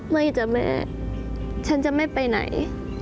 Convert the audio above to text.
ไม่จ้ะแม่ฉันจะไม่ไปไหน